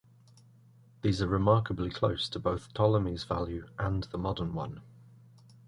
These are remarkably close to both Ptolemy's value and the modern one.